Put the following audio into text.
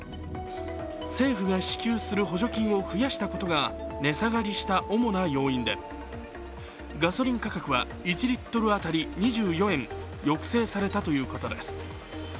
政府が支給する補助金を増やしたことが値下がりした主な要因で、ガソリン価格は１リットル当たり２４円、抑制されたということです。